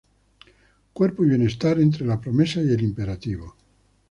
Cuerpo y bienestar: entre la promesa y el imperativo.